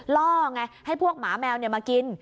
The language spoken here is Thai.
ล่อไงให้พวกหมาแมวมากิน